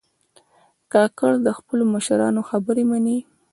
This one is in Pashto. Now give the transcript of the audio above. کاکړ د خپلو مشرانو خبرې منې.